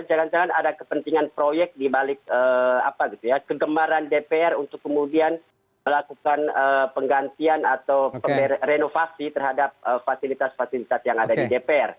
jangan jangan ada kepentingan proyek dibalik kegemaran dpr untuk kemudian melakukan penggantian atau renovasi terhadap fasilitas fasilitas yang ada di dpr